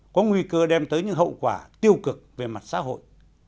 có nguy cơ đem tới những hậu quả tiêu cực về mặt xã hội